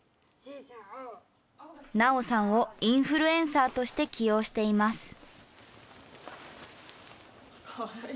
菜桜さんをインフルエンサーとして起用しています。